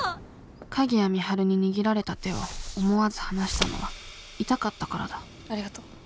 鍵谷美晴に握られた手を思わず離したのは痛かったからだありがとう。